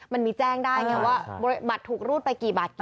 มันมีแจ้งได้ไงว่าบัตรถูกรูดไปกี่บาทกี่